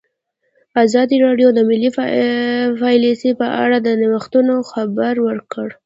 ازادي راډیو د مالي پالیسي په اړه د نوښتونو خبر ورکړی.